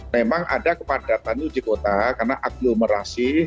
memang ada kepadatan di uji kota karena aglomerasi